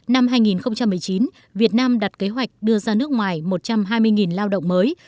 năm hai nghìn một mươi chín việt nam đặt kế hoạch đưa ra nước ngoài một trăm hai mươi người